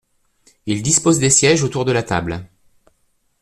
Ils disposent des sièges autour de la table.